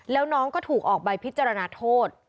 แล้วน้องก็ถูกออกใบพิจารณาโทษ